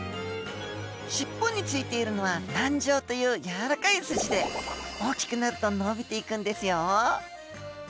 尻尾に付いているのは軟条というやわらかいスジで大きくなると伸びていくんですよ。